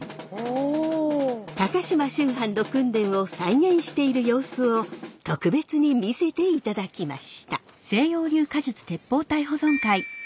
高島秋帆の訓練を再現している様子を特別に見せていただきました。